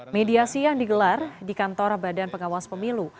mediasi yang digelar di kantor badan pengawas pemilu